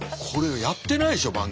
これやってないでしょ